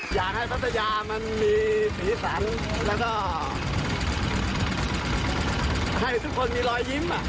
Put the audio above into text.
อยากให้พัทยามันมีสีสันแล้วก็ให้ทุกคนมีรอยยิ้ม